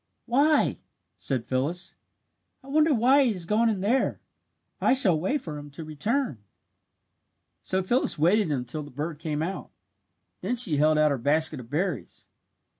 "Why!" said Phyllis. "I wonder why he has gone in there. I shall wait for him to return." So Phyllis waited until the bird came out. Then she held out her basket of berries.